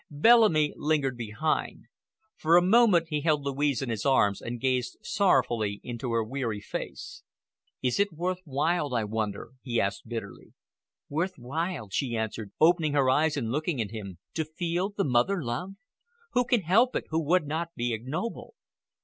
Bellamy lingered behind. For a moment he held Louise in his arms and gazed sorrowfully into her weary face. "Is it worth while, I wonder?" he asked bitterly. "Worth while," she answered, opening her eyes and looking at him, "to feel the mother love? Who can help it who would not be ignoble?"